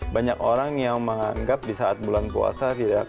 banyak orang yang menganggap di saat bulan puasa